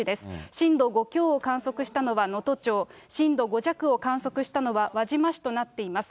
震度５強を観測したのは能登町、震度５弱を観測したのは輪島市となっています。